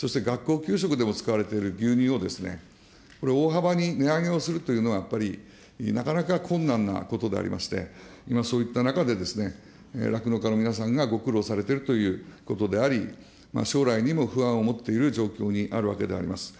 給食でも使われている牛乳を、これ、大幅に値上げをするというのは、やっぱりなかなか困難なことでありまして、今そういった中で、酪農家の皆さんがご苦労されているということであり、将来にも不安を持っている状況にあるわけであります。